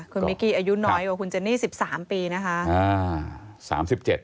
คุณมิกกี้อายุน้อยกว่าคุณเจนี่๑๓ปีนะคะ